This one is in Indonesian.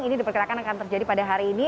ini diperkirakan akan terjadi pada hari ini